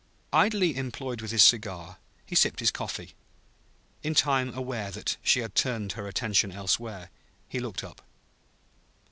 Idly employed with his cigar, he sipped his coffee. In time aware that she had turned her attention elsewhere, he looked up.